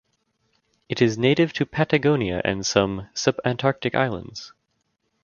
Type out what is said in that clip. It is native to Patagonia and some subantarctic islands.